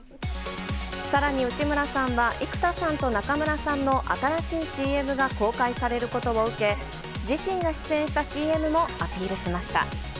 さらに内村さんは、生田さんと中村さんの新しいＣＭが公開されることを受け、自身が出演したＣＭもアピールしました。